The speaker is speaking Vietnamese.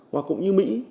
hoặc cũng như mỹ